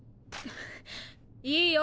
いいよ！